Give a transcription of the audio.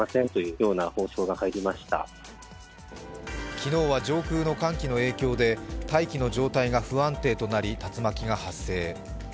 昨日は上空の寒気の影響で大気の状態が不安定となり竜巻が発生。